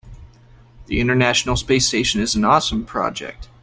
The international space station is an awesome project.